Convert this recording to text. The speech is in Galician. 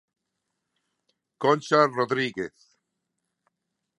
Concha Rodríguez.